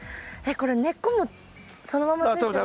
これ根っこもそのままついてる。